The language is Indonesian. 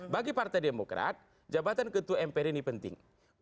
bagi partai demokrat jabatan ketua mpr ini penting